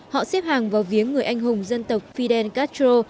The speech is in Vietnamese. họ xếp hàng vào viếng người anh hùng dân tộc fidel castro